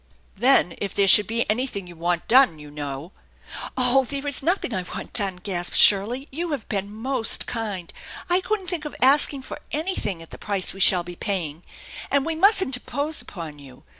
Then, if there should be anything you want done, you know " THE ENCHANTED BARN 5K "'Oh, there is nothing I want done/' gasped Shirley. " You have been most kind. I couldn't think of asking for anything at the price we shall be paying. And we mustn't impose upon you.